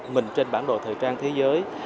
mình trên bản đồ thời trang thế giới